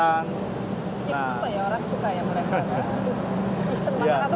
ya mungkin orang suka ya mereka